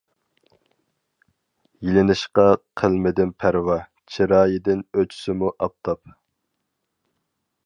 يېلىنىشقا قىلمىدىم پەرۋا، چىرايىدىن ئۆچسىمۇ ئاپتاپ.